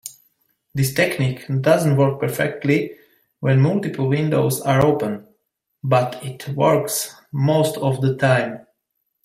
This technique doesn't work perfectly when multiple windows are open, but it works most of the time.